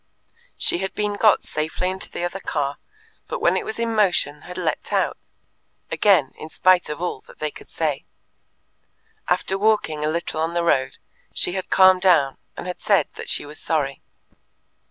She had been got safely into the other car, but when it was in motion had leapt out again, in spite of all that they could say. After walking a little on the road, she had calmed down and had said that she was sorry.